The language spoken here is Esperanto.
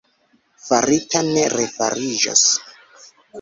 Farita ne refariĝos.